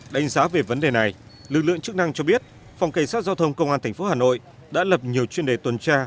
đánh giá về vấn đề này lực lượng chức năng cho biết phòng cảnh sát giao thông công an tp hà nội đã lập nhiều chuyên đề tuần tra